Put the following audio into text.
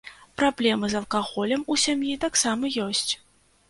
Праблемы з алкаголем у сям'і таксама ёсць.